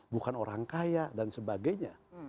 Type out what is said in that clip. bukan orang kaya dan sebagainya